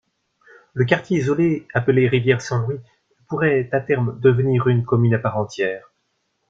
Le quartier isolé appelé Rivière-Saint-Louis pourrait à terme devenir une commune à part entière.